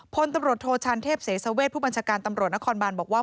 พลตำรวจโทชานเทพเสสเวชผู้บัญชาการตำรวจนครบานบอกว่า